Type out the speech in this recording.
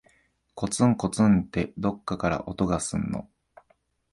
こつんこつんって、どっかから音がすんの。